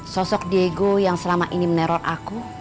sosok diego yang selama ini meneror aku